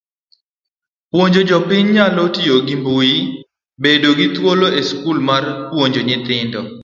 Puonjo jopiny nyalo tiyo gi mbui, bedo gi thuolo e skul mar puonjo nyithindo.